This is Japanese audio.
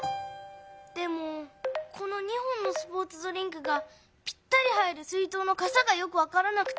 でもこの２本のスポーツドリンクがぴったり入る水とうのかさがよくわからなくて。